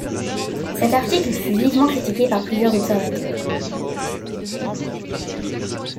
Cet article fut vivement critiqué par plusieurs observateurs.